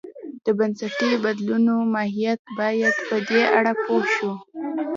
د بنسټي بدلونو ماهیت باید په دې اړه پوه شو.